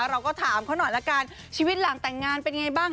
เราก็ถามเขาหน่อยละกันชีวิตหลังแต่งงานเป็นไงบ้าง